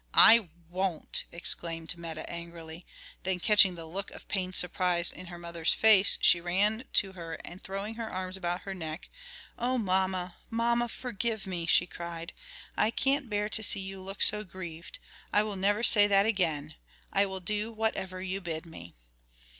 "I won't!" exclaimed Meta angrily; then catching the look of pained surprise in her mother's face, she ran to her and throwing her arms about her neck, "O mamma! mamma! forgive me!" she cried. "I can't bear to see you look so grieved: I will never say that again; I will do whatever you bid me."